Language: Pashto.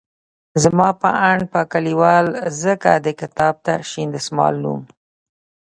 زما په اند به ليکوال ځکه د کتاب ته شين دسمال نوم